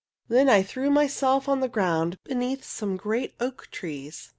Then I threw myself on the ground beneath some great oak trees.